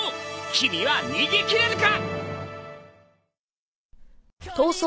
君は逃げ切れるか！？